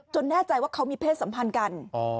แน่ใจว่าเขามีเพศสัมพันธ์กัน